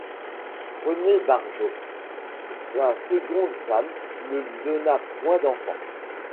Renée Barjot, sa seconde femme, ne lui donna point d'enfants.